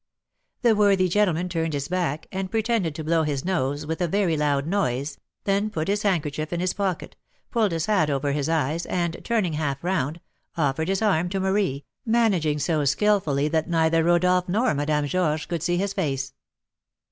The worthy gentleman turned his back, and pretended to blow his nose with a very loud noise, then put his handkerchief in his pocket, pulled his hat over his eyes, and, turning half around, offered his arm to Marie, managing so skilfully that neither Rodolph nor Madame Georges could see his face.